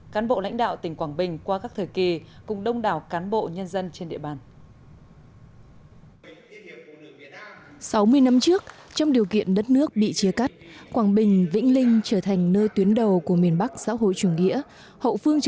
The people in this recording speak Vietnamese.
cán bộ lãnh đạo tỉnh quảng bình qua các thời kỳ cùng đông đảo cán bộ nhân dân trên địa bàn